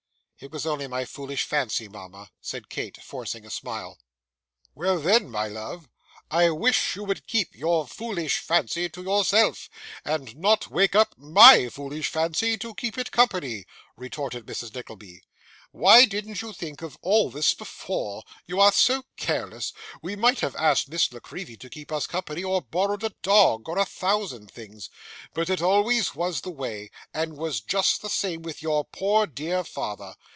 'It is only my foolish fancy, mama,' said Kate, forcing a smile. 'Well, then, my love, I wish you would keep your foolish fancy to yourself, and not wake up MY foolish fancy to keep it company,' retorted Mrs. Nickleby. 'Why didn't you think of all this before you are so careless we might have asked Miss La Creevy to keep us company or borrowed a dog, or a thousand things but it always was the way, and was just the same with your poor dear father.